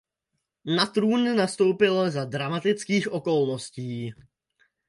Na trůn nastoupil za dramatických okolností.